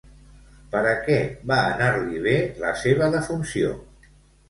Per a què va anar-li bé la seva defunció?